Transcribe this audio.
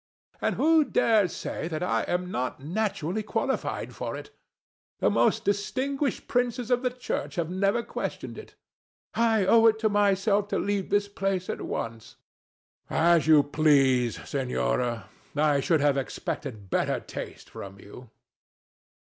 ANA. And who dares say that I am not naturally qualified for it? The most distinguished princes of the Church have never questioned it. I owe it to myself to leave this place at once. THE DEVIL. [offended] As you please, Senora. I should have expected better taste from you.